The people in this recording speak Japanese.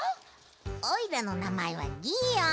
おいらのなまえはギーオン。